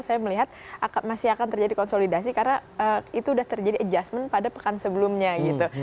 saya melihat masih akan terjadi konsolidasi karena itu sudah terjadi adjustment pada pekan sebelumnya gitu